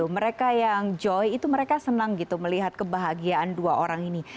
mereka yang joy itu mereka senang gitu melihat kebahagiaan dua orang ini